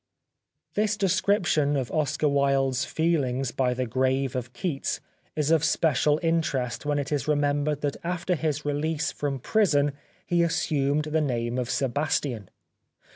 This description of Oscar Wilde's feehngs by the grave of Keats is of special interest when it is remembered that after his release from prison he assumed the name of Sebastian.